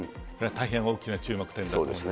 大変大きな注目点だと思います。